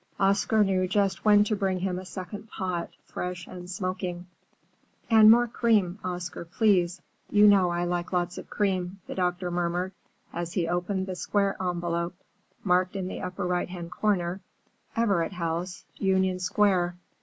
Oscar knew just when to bring him a second pot, fresh and smoking. "And more cream, Oscar, please. You know I like lots of cream," the doctor murmured, as he opened the square envelope, marked in the upper right hand corner, "Everett House, Union Square."